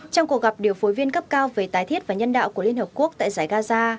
trong cuộc gặp điều phối viên cấp cao về tái thiết và nhân đạo của liên hợp quốc tại giải gaza